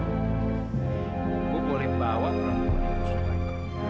gue boleh bawa perempuan yang gue sukain ke rumah